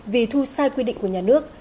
vì thu sai quy định của nhà nước